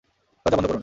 দরজা বন্ধ করুন!